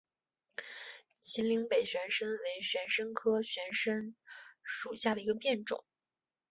秦岭北玄参为玄参科玄参属下的一个变种。